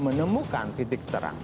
menemukan titik terang